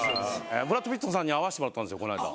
ブラッド・ピットさんに会わせてもらったんですこの間。